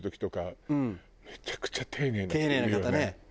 丁寧な方ね。